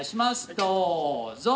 どうぞ。